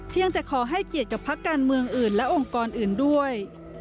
ยังแต่ขอให้เกียรติกับพักการเมืองอื่นและองค์กรอื่นด้วย